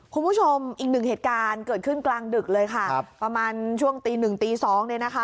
คุณผู้ชมอีกหนึ่งเหตุการณ์เกิดขึ้นกลางดึกเลยค่ะครับประมาณช่วงตีหนึ่งตีสองเนี่ยนะคะ